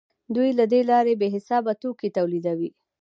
دوی له دې لارې بې حسابه توکي تولیدوي